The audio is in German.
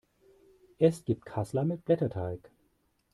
Es gibt Kassler mit Blätterteig.